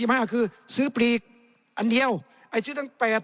ยังวัน๘ยนต์